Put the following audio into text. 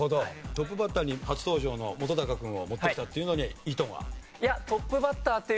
トップバッターに初登場の本君を持ってきたっていうのに意図は？いや。